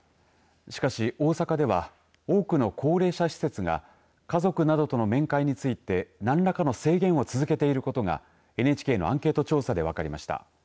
しかし大阪では多くの高齢者施設が家族などとの面会について何らかの制限を続けていることがＮＨＫのアンケート調査で分かりました。